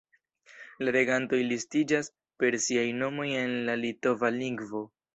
La regantoj listiĝas per siaj nomoj en la litova lingvo.